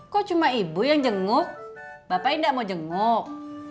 kok cuma ibu yang jenguk bapak ini tidak mau jenguk